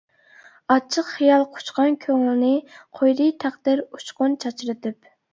ئاچچىق خىيال قۇچقان كۆڭۈلنى، قويدى تەقدىر ئۇچقۇن چاچرىتىپ.